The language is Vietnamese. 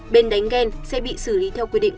bên đánh ghen sẽ bị xử lý theo quy định